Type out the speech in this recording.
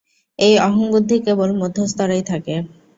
এই অহংবুদ্ধি কেবল মধ্যস্তরেই থাকে।